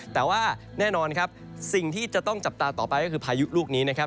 แต่ว่าแน่นอนครับสิ่งที่จะต้องจับตาต่อไปก็คือพายุลูกนี้นะครับ